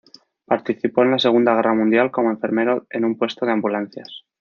Participó en la Segunda Guerra Mundial como enfermero en un puesto de ambulancias.